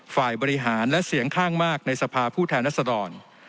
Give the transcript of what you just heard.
ฝ่ายบริหารและเสียงข้างมากในสภาผู้แทนรัศดร